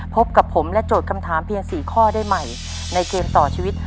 พบกับผมและโจทย์คำถามเพียง๔ข้อได้ใหม่ในเกมต่อชีวิต